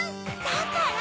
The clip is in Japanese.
だから！